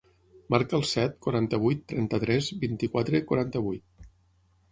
Marca el set, quaranta-vuit, trenta-tres, vint-i-quatre, quaranta-vuit.